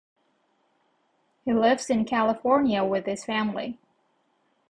He lives in California with his family.